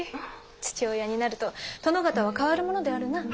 父親になると殿方は変わるものであるな。